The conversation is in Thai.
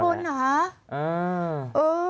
เออ